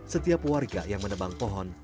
setiap warga yang menebang pohon